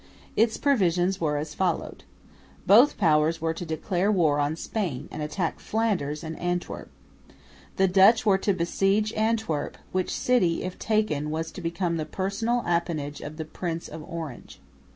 Its provisions were as follows. Both Powers were to declare war on Spain and attack Flanders and Antwerp. The Dutch were to besiege Antwerp, which city, if taken, was to become the personal appanage of the Prince, of Orange.